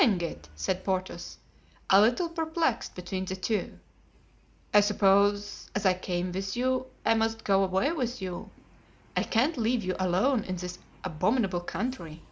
"Hang it!" said Porthos, a little perplexed between the two, "I suppose, as I came with you, I must go away with you. I can't leave you alone in this abominable country."